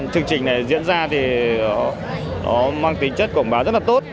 chương trình này diễn ra thì nó mang tính chất quảng bá rất là tốt